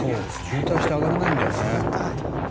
渋滞して上がれないんだよね。